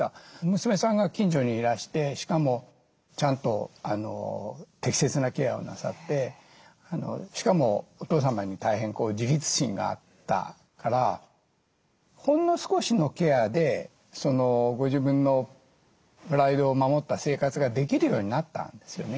娘さんが近所にいらしてしかもちゃんと適切なケアをなさってしかもお父様に大変自立心があったからほんの少しのケアでご自分のプライドを守った生活ができるようになったんですよね。